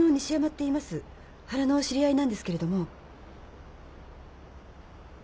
原の知り合いなんですけれども。